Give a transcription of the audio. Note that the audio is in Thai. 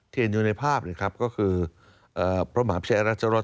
เห็นอยู่ในภาพเลยครับก็คือพระมหาพิชัยราชรส